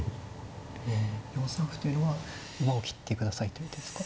４三歩というのは馬を切ってくださいという手ですか。